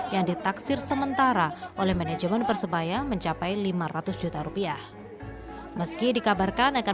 yang ditaksir sementara oleh manajemen persebaya mencapai lima ratus juta rupiah meski dikabarkan akan